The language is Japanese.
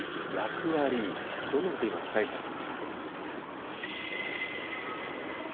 どんな事を今期待されてますか？